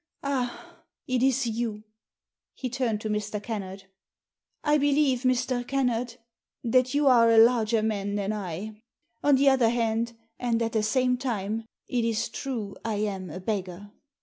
Ah — it is you." He turned to Mr. Kennard. *'I believe, Mr. Kennard, that you are a larger man than I. On the other hand, and at the same time, it is true I am a beggar."